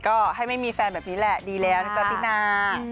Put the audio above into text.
ก็ให้ไม่มีแฟนแบบนี้แหละดีแล้วนะจ๊ะตินา